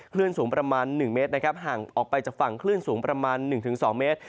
คลื่นสูงประมาณหนึ่งเมตรนะครับห่างออกไปจากฝั่งคลื่นสูงประมาณหนึ่งถึงสองเมตร